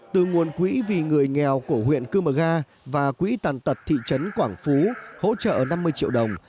từ nguồn quỹ vì người nghèo của huyện cư mờ ga và quỹ tàn tật thị trấn quảng phú hỗ trợ năm mươi triệu đồng